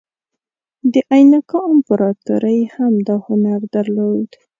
د اینکا امپراتورۍ هم دا هنر درلود.